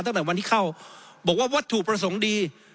ตั้งแต่วันที่เข้าบอกว่าวัตถุประสงค์ดี